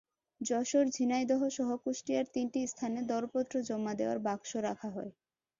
যশোর, ঝিনাইদহসহ কুষ্টিয়ার তিনটি স্থানে দরপত্র জমা দেওয়ার বাক্স রাখা হয়।